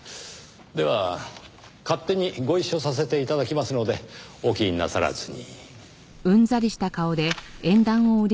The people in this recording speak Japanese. では勝手にご一緒させて頂きますのでお気になさらずに。